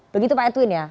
begitu pak edwin ya